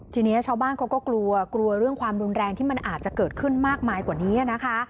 ทีนี้ชาวบ้านเขาก็กลัวกลัวเรื่องความรุนแรงที่มันอาจจะเกิดขึ้นมากมายกว่านี้นะคะ